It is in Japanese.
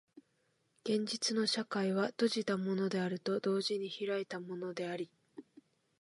現実の社会は閉じたものであると同時に開いたものであり、